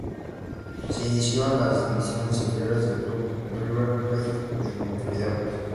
Se inició en las divisiones inferiores del Club River Plate de Montevideo.